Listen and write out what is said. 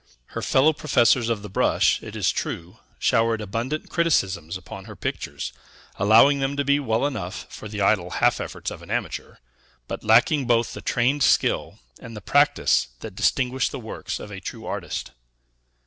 Her fellow professors of the brush, it is true, showered abundant criticisms upon her pictures, allowing them to be well enough for the idle half efforts of an amateur, but lacking both the trained skill and the practice that distinguish the works of a true artist.